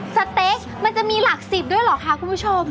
สเตสมันจะมีหลัก๑๐ด้วยเหรอคะคุณผู้ชม